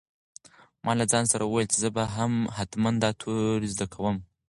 ما له ځان سره وویل چې زه به هم حتماً دا توري زده کوم.